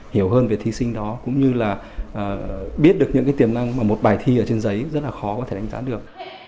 hiểu hơn về thí sinh đó cũng như là biết được những tiềm năng mà một bài thi trên giấy rất khó đánh giá được